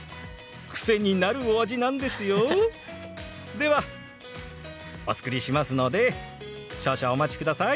ではお作りしますので少々お待ちください。